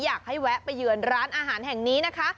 อยากให้แวะไปเยือนร้านอาหารแห่งนี้นะคะ